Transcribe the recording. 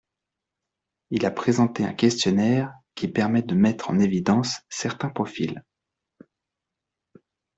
Il a présenté un questionnaire qui permet de mettre en évidence certains profils.